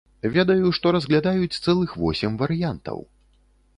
Ведаю, што разглядаюць цэлых восем варыянтаў.